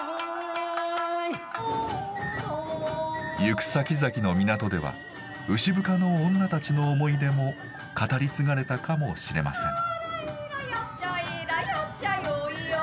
行くさきざきの港では牛深の女たちの思い出も語り継がれたかもしれません。